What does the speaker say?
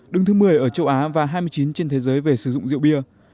đứng thứ một mươi ở châu á và hai mươi chín trên thế giới về sử dụng rượu bia